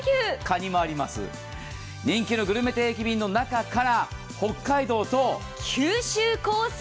人気のグルメ定期便の中から北海道と九州コース。